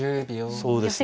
そうですね